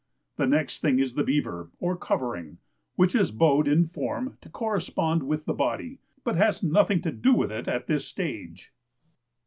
The next thing is the beaver, or covering, which is bowed in form to correspond with the body, but has nothing to do with it in this stage.